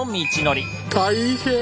大変！